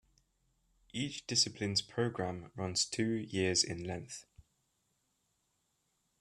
Each discipline's program runs two years in length.